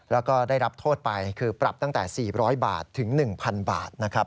แล้วก็ได้รับโทษไปคือปรับตั้งแต่๔๐๐บาทถึง๑๐๐บาทนะครับ